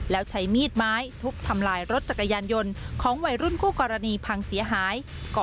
แล้วใช้มีดไม้ทุบทำลายรถจักรยานยนต์ของวัยรุ่นคู่กรณีพังเสียหาย